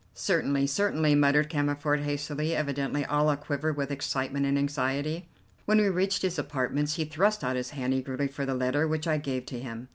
"Certainly, certainly," muttered Cammerford hastily, evidently all aquiver with excitement and anxiety. When we reached his apartments he thrust out his hand eagerly for the letter, which I gave to him.